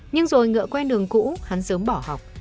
nhưng rồi ngựa quen đường cũ hắn sớm bỏ học